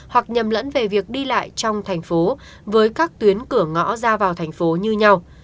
hoặc nhầm lẫn về việc đi lại trong thành phố với các tuyến cửa ngõ ra vào thành phố như nhau